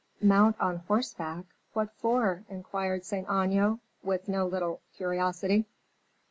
"Mount on horseback! what for?" inquired Saint Aignan, with no little curiosity.